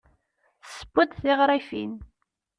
Tesseww-d tiɣrifin.